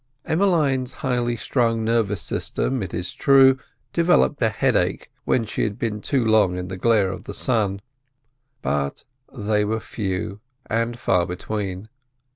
Emmeline's highly strung nervous system, it is true, developed a headache when she had been too long in the glare of the sun, but they were few and far between.